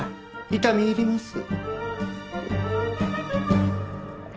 痛み入ります。